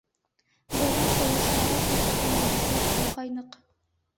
Бына ойошмала өс кенә бисә ҡалғайныҡ.